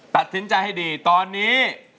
ตัดสินใจให้ดีตอนนี้